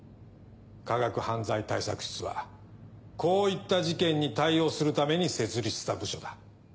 科学犯罪対策室はこういった事件に対応するために設立した部署だ。